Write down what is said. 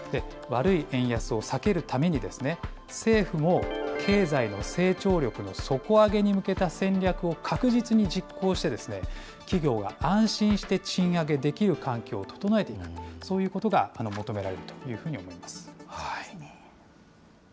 悪い円安を避けるために、政府も経済の成長力の底上げに向けた戦略を確実に実行して、企業が安心して賃上げできる環境を整えていく、そういうことが求められるというふうに思います。